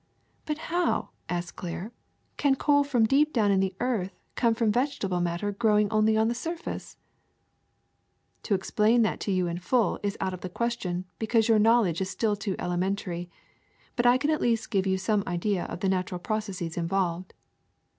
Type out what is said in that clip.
'^ *'But how,'^ asked Claire, ^'can coal from deep down in the earth come from vegetable matter grow ing only on the surface 1 '' To explain that to you in full is out of the question, because your knowledge is still too elemen tary; but I can at least give you some idea of the natural processes involved.